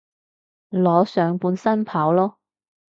裸上半身跑囉